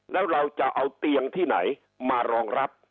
แล้วเราจะเอาเตียงที่ไหนมารองรับ